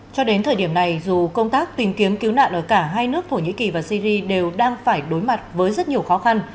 cho đến thời điểm này dù công tác tìm kiếm cứu nạn ở cả hai nước thổ nhĩ kỳ và syri đều đang phải đối mặt với rất nhiều khó khăn